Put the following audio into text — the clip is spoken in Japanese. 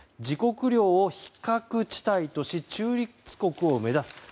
自国領を非核地帯とし中立国を目指す。